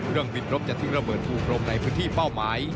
เรื่องวินลบจากถึงระเบิดผู้โคร่มในพืชที่เป้าหมาย